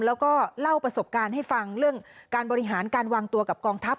แล้วก็เล่าประสบการณ์ให้ฟังเรื่องการบริหารการวางตัวกับกองทัพ